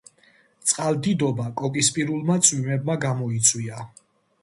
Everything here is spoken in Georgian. წყალდიდობა კოკისპირულმა წვიმებმა გამოიწვია.